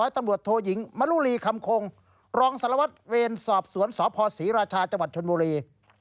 ตำรวจโทยิงมรุรีคำคงรองศรวรรษเวรสอบสวนสศรีราชาจชนโมรี